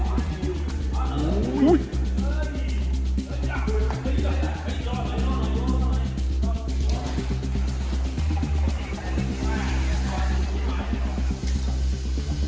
สวัสดีทุกคน